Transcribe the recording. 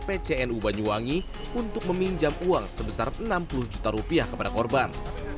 pcnu banyuwangi untuk meminjam uang sebesar enam puluh juta rupiah kepada korban